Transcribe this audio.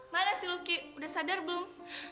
mana sih luki udah sadar belum